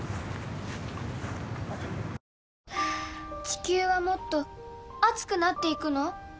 地球はもっと熱くなっていくの？